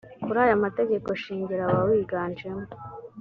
kuri aya mategeko shingiro abawiganjemo